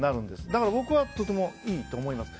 だから僕はとてもいいと思います。